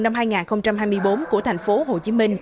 năm hai nghìn hai mươi bốn của tp hcm